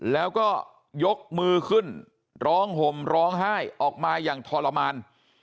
แล้วก็ยกมือขึ้นร้องห่มร้องไห้ออกมาอย่างทรมาน